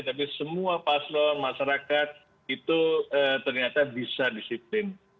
tapi semua paslon masyarakat itu ternyata bisa disiplin